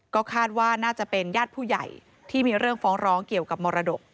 ก็คาดว่าน่าจะเป็นญาติผู้ใหญ่ที่มีเรื่องฟ้องร้องเกี่ยวกับมรดก